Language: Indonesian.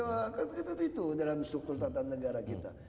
ya itu dalam struktur tata negara kita